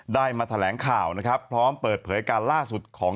ได้มาแถลงข่าวนะครับพร้อมเปิดเผยการล่าสุดของ